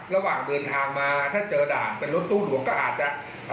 ระหว่างเดินทางมาถ้าเจอด่านเป็นรถตู้หลวงก็อาจจะ